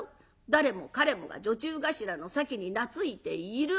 誰も彼もが女中頭のさきに懐いている。